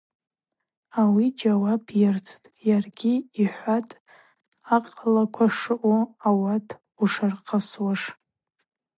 Ауи джьауап йырттӏ, йаргьи йхӏватӏ Акъалаква шаъу, ауат ушырхъысуаш.